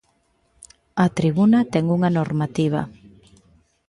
A tribuna ten unha normativa.